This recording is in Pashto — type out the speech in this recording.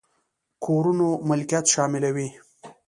کورونو ملکيت شاملوي.